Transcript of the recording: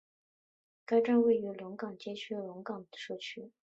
该站位于龙岗区龙岗街道龙岗社区。